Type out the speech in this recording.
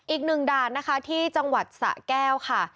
อีกหนึ่งด่านนะคะที่จังหวัดสะแก้วค่ะ